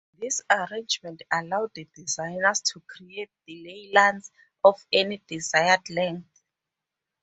This arrangement allowed the designers to create "delay lines" of any desired length.